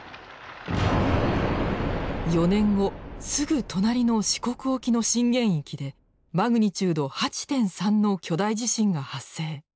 ４年後すぐ隣の四国沖の震源域でマグニチュード８．３の巨大地震が発生。